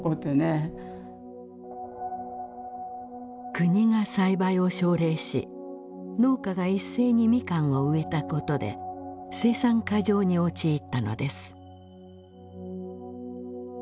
国が栽培を奨励し農家が一斉にミカンを植えたことで生産過剰に陥ったのです。